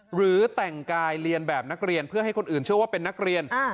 หรือแต่งกายเรียนแบบนักเรียนเพื่อให้คนอื่นเชื่อว่าเป็นนักเรียน